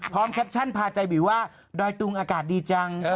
แคปชั่นพาใจบิวว่าดอยตุงอากาศดีจัง